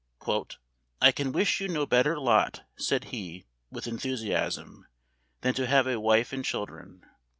"I can wish you no better lot," said he, with enthusiasm, "than to have a wife and children.